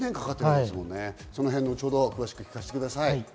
そのへん、後ほど詳しく聞かせてください。